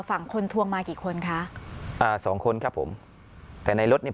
ฝั่งคนทวงมากี่คนคะอ่าสองคนครับผมแต่ในรถเนี้ย